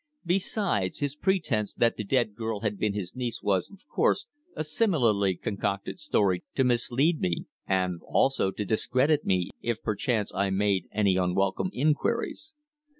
Besides, his pretence that the dead girl had been his niece was, of course, a similarly concocted story to mislead me, and also to discredit me if perchance I made any unwelcome inquiries.